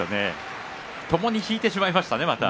ともに引いてしまいましたね、また。